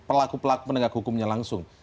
pelaku pelaku penegak hukumnya langsung